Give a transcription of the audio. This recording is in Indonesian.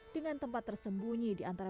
dengan tempat tersembunyi di antara